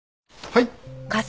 はい。